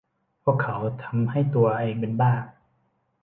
พวกเขาทำให้ตัวเองเป็นบ้า